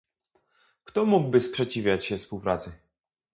Kto mógłby sprzeciwiać się współpracy?